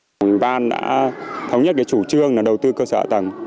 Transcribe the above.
công an đã thống nhất chủ trương đầu tư cơ sở tầng